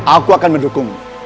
aku akan mendukungmu